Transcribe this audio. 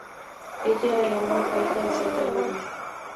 Ella era la única hija de siete hermanos.